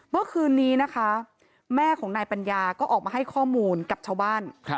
เมื่อคืนนี้นะคะแม่ของนายปัญญาก็ออกมาให้ข้อมูลกับชาวบ้าน